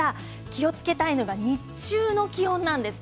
気をつけたいのは日中の気温なんです。